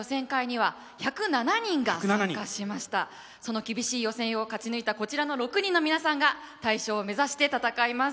その厳しい予選を勝ち抜いたこちらの６人の皆さんが大賞を目指して戦います。